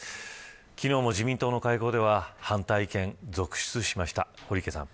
昨日も自民党の会合では反対意見が続出しました。